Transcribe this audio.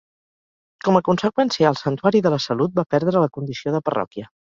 Com a conseqüència, el Santuari de la Salut va perdre la condició de parròquia.